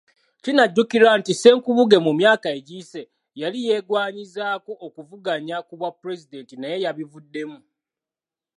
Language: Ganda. Kinajjukirwa nti Ssenkubuge mu myaka egiyise, yali yeegwanyizaako okuvuganya ku bwapulezidenti naye yabivuddemu.